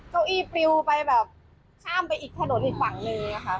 เก้าอี้ปริวไปแบบข้ามไปอีกถนนอีกฝั่งนึงค่ะ